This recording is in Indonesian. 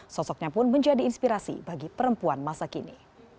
sosoknya pun menjadi inspirasi bagi perempuan masa kini